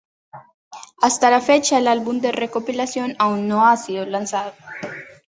Hasta la fecha el álbum de recopilación aún no ha sido lanzado.